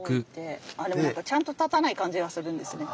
あっでも何かちゃんと立たない感じがするんですね。